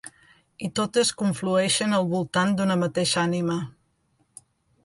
I totes conflueixen al voltant d'una mateixa ànima.